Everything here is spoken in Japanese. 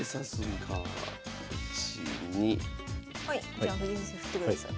じゃあ藤井先生振ってください。